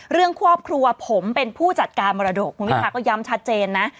เรื่องครอบครัวผมเป็นผู้จัดการมรดกคุณวิทาก็ย้ำชัดเจนนะ